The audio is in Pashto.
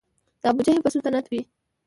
د ابوجهل به سلطنت وي